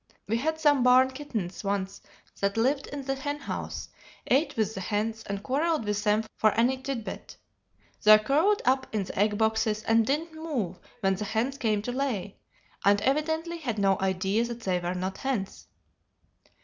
"We had some barn kittens once that lived in the hen house, ate with the hens, and quarrelled with them for any tidbit. They curled up in the egg boxes and didn't move when the hens came to lay, and evidently had no idea that they were not hens.